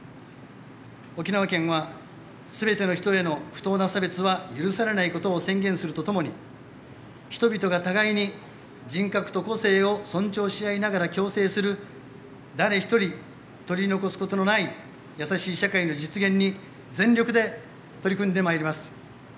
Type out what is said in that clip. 沖縄県は、全ての人への不当な差別は許されないことを宣言するとともに人々が互いに人格と個性を尊重し合いながら共生する誰一人取り残すことのない優しい社会の実現に全力で取り組んでまいります。